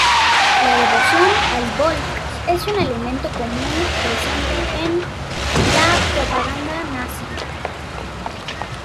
La devoción al "Volk" es un elemento común presente en la propaganda nazi.